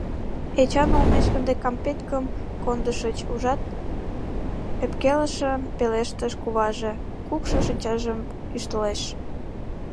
— Эчан олмеш ынде кампеткым кондышыч, ужат, — ӧпкелышын пелештыш куваже, кукшо шинчажым ӱштылеш.